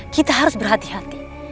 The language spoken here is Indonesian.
kita harus berhati hati